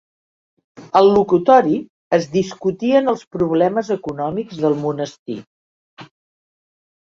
Al locutori es discutien els problemes econòmics del monestir.